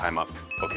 ＯＫ。